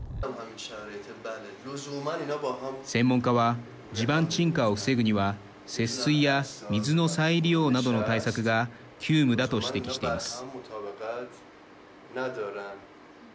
専門家は、地盤沈下を防ぐには節水や水の再利用などの対策が急務だと指摘しています。